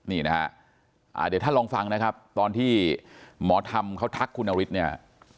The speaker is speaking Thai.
นี่นะฮะเดี๋ยวท่านลองฟังนะครับตอนที่หมอธรรมเขาทักคุณนฤทธิ์เนี่ย